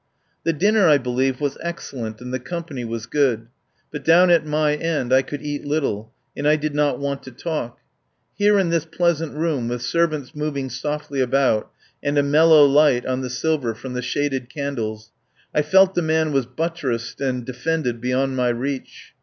The dinner, I believe, was excellent and the company was good, but down at my end I could eat little, and I did not want to talk. Here in this pleasant room, with servants mov ing softly about and a mellow light on the silver from the shaded candles, I felt the man was buttressed and defended beyond my reach.